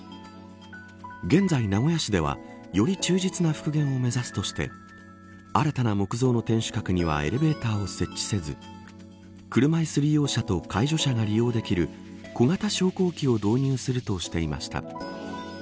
現在、名古屋市ではより忠実な復元を目指すとして新たな木造の天守閣にはエレベーターを設置せず車いす利用者と介助者が利用できる小型昇降機を導入するとしていました。